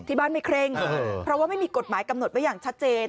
เพราะว่าไม่มีกฎหมายกำหนดไว้อย่างชัดเจน